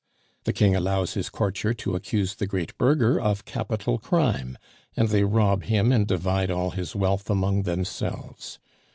The King allows his courtier to accuse the great burgher of capital crime, and they rob him and divide all his wealth among themselves.